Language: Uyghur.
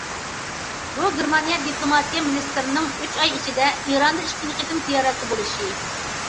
بۇ گېرمانىيە دىپلوماتىيە مىنىستىرىنىڭ ئۇچ ئاي ئىچىدە ئىراندا ئىككىنچى قېتىم زىيارەتتە بولۇشى.